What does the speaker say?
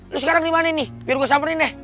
lo sekarang dimana nih biar gue samperin deh